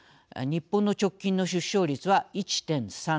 日本の直近の出生率は１．３６。